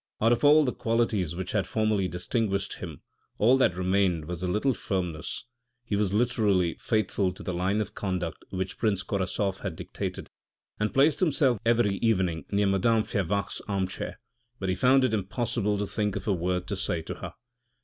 Out of all the qualities which had formerly distinguished him, all that remained was a little firmness. He was literally faithful to the line of conduct which prince Korasoff had dictated, and placed himself every evening near madame Fervaques' armchair, but he found it impossible to think of a word to say to her.